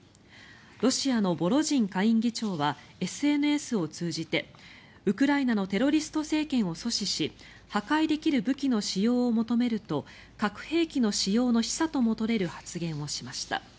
ロシアのボロジン下院議長はＳＮＳを通じてウクライナのテロリスト政権を阻止し破壊できる武器の使用を求めると核兵器の使用の示唆とも取れる発言をしました。